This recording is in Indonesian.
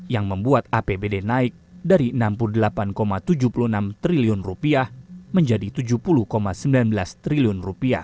yang membuat apbd naik dari rp enam puluh delapan tujuh puluh enam triliun menjadi rp tujuh puluh sembilan belas triliun